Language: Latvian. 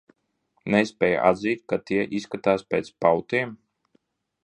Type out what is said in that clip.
Nespēj atzīt, ka tie izskatās pēc pautiem?